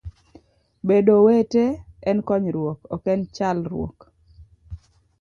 Bedo owete en konyruok ok en chalruok